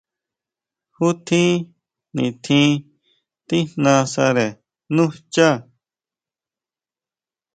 ¿Ju tjín nitjín tíjnasare nú xchá?